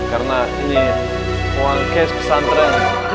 karena ini uang kas pesantren